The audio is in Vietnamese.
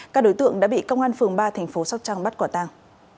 các đối tượng đã bị công an phường ba tp sóc trăng bắt quả tang